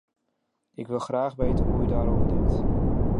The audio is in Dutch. Ik wil graag weten hoe u daarover denkt.